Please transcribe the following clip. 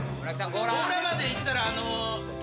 強羅まで行ったらあの。